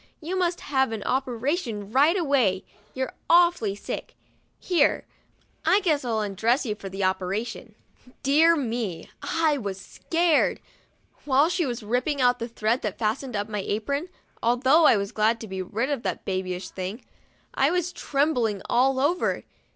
You must have an operation right away, you're awfully sick. Here, I guess I'll undress you for the operation." THE DIARY OF A BIRTHDAY DOLL Dear me, but I was scared ! While she was ripping out the thread that fastened up my apron, although I was glad to be rid of that babyish thing, I was trembling all over.